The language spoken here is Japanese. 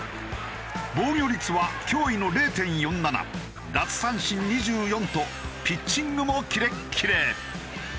防御率は驚異の０．４７奪三振２４とピッチングもキレッキレ。